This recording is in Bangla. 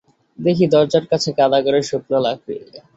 দেখি দরজার কাছে গাদা করা শুকনা লাকড়ি।